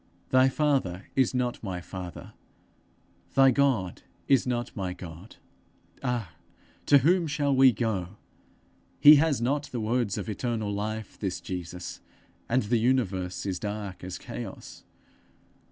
Thy father is not my father; thy God is not my God! Ah, to whom shall we go? He has not the words of eternal life, this Jesus, and the universe is dark as chaos!